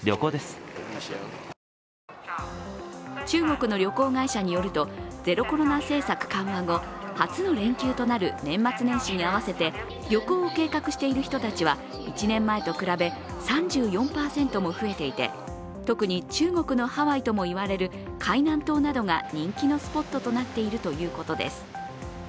中国の旅行会社によると、ゼロコロナ政策緩和後、初の連休となる年末年始に合わせて旅行を計画している人たちは１年前と比べ３４％も増えていて特に中国のハワイともいわれる海南島などが人気のスポットとなっているということです。